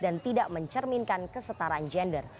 dan tidak mencerminkan kesetaraan gender